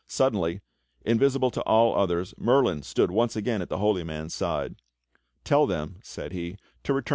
Suddenly, invisible to all others. Merlin stood once again at the Holy Man's side. "Tell them," said he, "to return